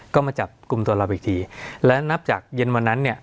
ก็มาจับกลุ่มตัวเราอีกทีและนับจากเย็นวันนั้นเนี่ย